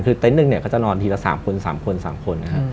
คือเต้นหนึ่งก็จะนอนทีละ๓คน๓คน๓คน